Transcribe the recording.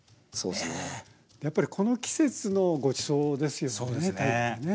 やっぱりこの季節のごちそうですよね鯛ってね。